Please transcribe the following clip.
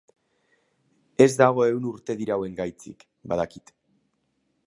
Ez dago ehun urte dirauen gaitzik, badakit.